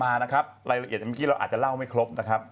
อันนี้คือถึงที่เด็กบอกมานะครับ